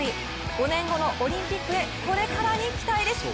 ５年後のオリンピックへこれからに期待です。